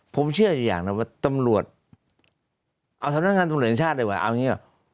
ผมเชื่ออย่างน่ะว่าตำรวจเอาสำหรับการตำรวจในชาติด้วยว่าเอาอย่างงี้